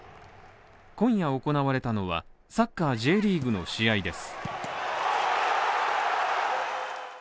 今夜行われたのは、サッカーＪリーグの試合です。